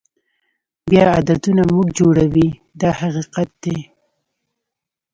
بیا عادتونه موږ جوړوي دا حقیقت دی.